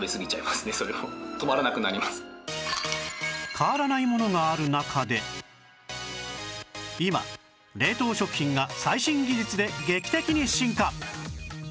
変わらないものがある中で今冷凍食品が最新技術で劇的に進化